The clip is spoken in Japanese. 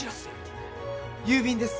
郵便です。